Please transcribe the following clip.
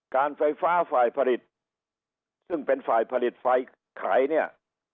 การไฟฟ้าฝ่ายผลิตซึ่งเป็นฝ่ายผลิตไฟขายเนี่ย